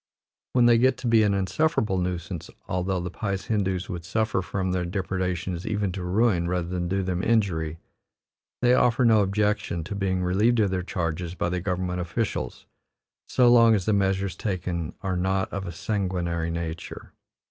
When they get to be an insufferable nuisance, although the pious Hindoos would suffer from their depredations even to ruin rather than do them injury, they offer no objections to being relieved of their charges by the government officials, so long as the measures taken are not of a sanguinary nature.